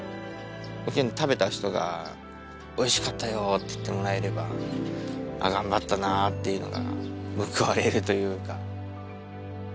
食べた人がおいしかったよって言ってもらえればああ頑張ったなっていうのが報われるというか。